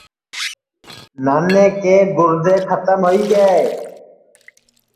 نانے راجیئے کے گُردے کھتم ہوئی گے